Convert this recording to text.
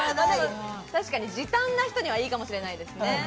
時短な人にはいいかもしれないですね。